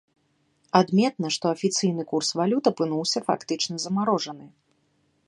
Адметна, што афіцыйны курс валют апынуўся фактычна замарожаны.